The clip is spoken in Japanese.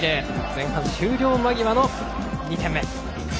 前半終了間際の２点目。